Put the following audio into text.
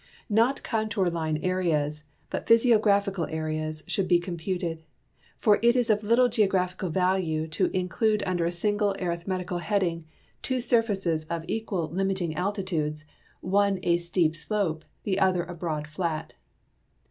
Not contour line areas, but ph5''siographical areas, should be computed, for it is of little geographical value to in clude under a single arithmetical heading two surfaces of equal limiting altitudes, one a steep slope, the other a broad flat.